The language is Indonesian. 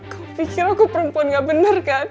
kamu pikir aku perempuan